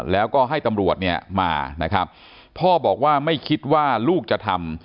แล้วก็ให้ตำรวจเนี่ยมานะครับพ่อบอกว่าไม่คิดว่าลูกจะทำ